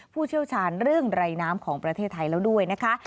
ผู้เชี่ยวชาญเรื่องไรน้ำของประเทศไทยแล้วด้วยนะคะ